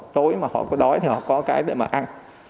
tối mà họ có đói thì họ có cái để mà ăn